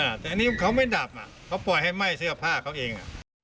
แต่อันนี้เขาไม่ดับอ่ะเขาปล่อยให้ไหม้เสื้อผ้าเขาเอง